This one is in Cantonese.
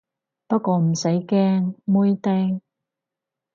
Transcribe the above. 不過唔使驚，妹釘